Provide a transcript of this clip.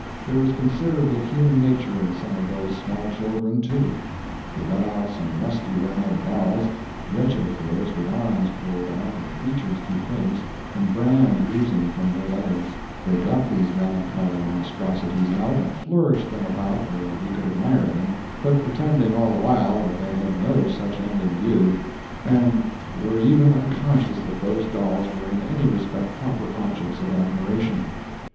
There was considerable human nature in some of those small children, too. They got out some rusty rag dolls—wretched affairs with arms pulled out, and features defaced, and bran oozing from their legs—they got these melancholy monstrosities out and flourished them about where we could admire them, but pretending all the while that they had no such end in view, and were even unconscious that those dolls were in any respect proper objects of admiration.